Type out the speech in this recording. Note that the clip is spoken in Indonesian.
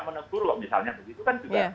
menegur loh misalnya begitu kan juga